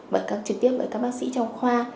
bật cấp trực tiếp với các bác sĩ trong khoa